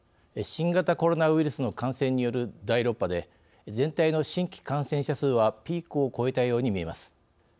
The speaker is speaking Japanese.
新型コロナウイルスの感染による第６波で、全体の新規感染者数はピークを越えたように見えます。